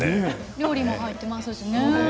料理も入ってますしね。